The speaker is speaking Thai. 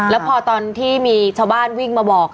แล้วพอตอนที่มีชาวบ้านวิ่งมาบอก